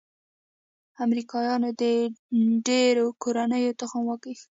امریکايانو د ډېرو کورنيو تخم وکيښ.